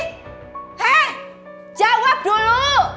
hei jawab dulu